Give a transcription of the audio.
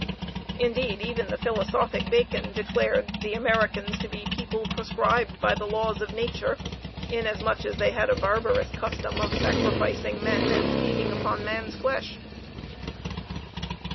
Indeed, even the philosophic Bacon declared the Americans to be people proscribed by the laws of nature, inasmuch as they had a barbarous custom of sacrificing men, and feeding upon man's flesh.